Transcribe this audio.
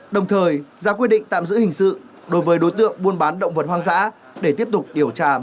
đồng thời ra quyết định tạm giữ hình sự đối với đối tượng buôn bán động vật hoang dã để tiếp tục điều tra làm rõ